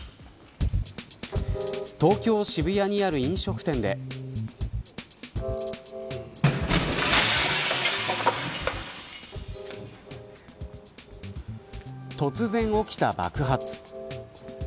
東京・渋谷にある飲食店で突然起きた爆発。